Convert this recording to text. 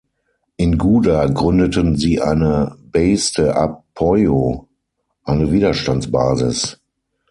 In Guda gründeten sie eine "base de apoio", eine Widerstandsbasis.